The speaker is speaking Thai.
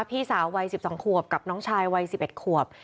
พี่สาววัย๑๒ขวบกับน้องชายวัย๑๑ขวบ